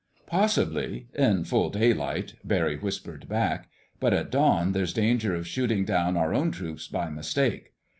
"Possibly—in full daylight," Barry whispered back. "But at dawn there's danger of shooting down our own troops by mistake.